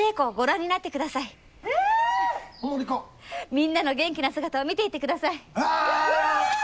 みんなの元気な姿を見ていってください。